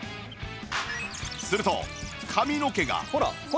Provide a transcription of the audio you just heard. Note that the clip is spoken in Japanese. すると髪の毛が